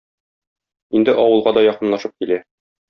Инде авылга да якынлашып килә.